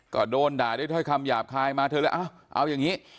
ก็โดนด่าด้วยถ้อยคำหยาบคายมาเธอเลยเอาอย่างนี้